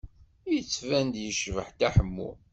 Yettban-d yeččeḥ Dda Ḥemmu.